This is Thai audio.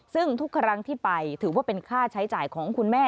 ซึ่งทุกครั้งที่ไปถือว่าเป็นค่าใช้จ่ายของคุณแม่